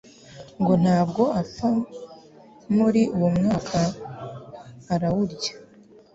ngo ntabwo apfa muri uwo mwaka, arawurya